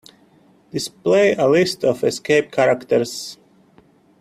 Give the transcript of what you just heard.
Display a list of escape characters.